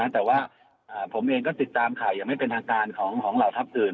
แต่ว่าผมเองก็ติดตามข่าวอย่างไม่เป็นทางการของเหล่าทัพอื่น